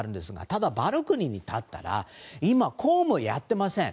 ただバルコニーに立ったら今、公務をやってません。